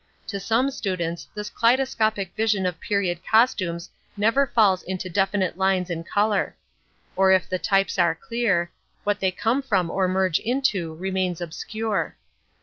To some students this kaleidoscopic vision of period costumes never falls into definite lines and colour; or if the types are clear, what they come from or merge into remains obscure.